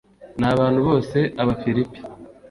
n abantu bose Abafilipi